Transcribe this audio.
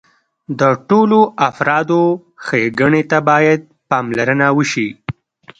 د ټولو افرادو ښېګڼې ته باید پاملرنه وشي.